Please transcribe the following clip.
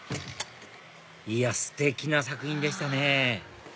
いやステキな作品でしたね